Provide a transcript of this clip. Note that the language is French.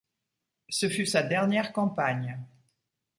Ce fut sa dernière campagne.